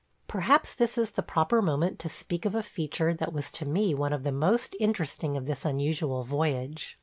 Perhaps this is the proper moment to speak of a feature that was to me one of the most interesting of this unusual voyage.